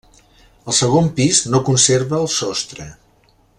El segon pis no conserva el sostre.